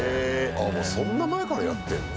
あっ、もう、そんな前からやってんの？